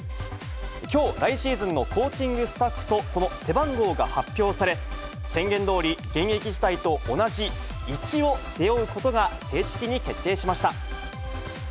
きょう、来シーズンのコーチングスタッフと、その背番号が発表され、宣言どおり、現役時代と同じ１を背負うことが正式に決定しました。